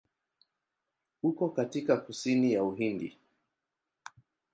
Uko katika kusini ya Uhindi.